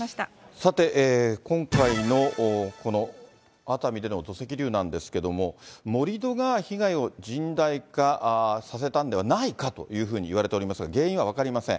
さて、今回の熱海での土石流なんですけれども、盛り土が被害を甚大化させたんではないかというふうにいわれておりますが、原因は分かりません。